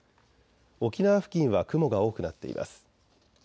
沖縄付近は雲が多くなっています。